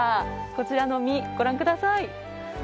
こちらの実、ご覧ください。